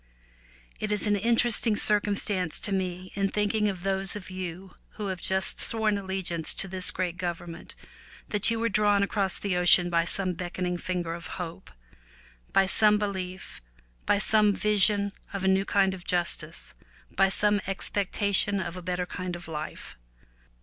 It is an interesting circumstance to me in thinking of those of you who have just sworn allegiance to this great government that you were drawn across the ocean by some beckon ing finger of hope, by some belief, by some vision of a new kind of justice, by some expectation of a better kind of life.